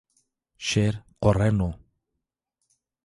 Şêr qorreno